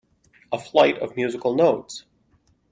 A flight of musical notes.